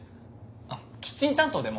あっキッチン担当でも。